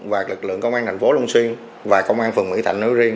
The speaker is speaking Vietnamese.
và lực lượng công an thành phố long xuyên và công an phường mỹ thạnh nói riêng